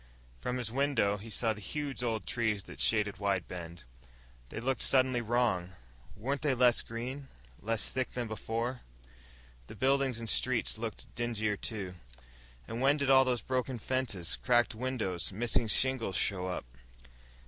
From his window, he saw the huge old trees that shaded Wide Bend. They looked suddenly wrong. Weren't they less green, less thick than before? The buildings and streets looked dingier, too. And when did all those broken fences, cracked windows, missing shingles show up...?